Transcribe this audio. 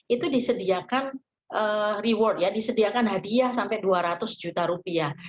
itu disediakan reward ya disediakan hadiah sampai dua ratus juta rupiah